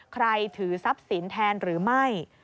ถือทรัพย์สินแทนหรือไม่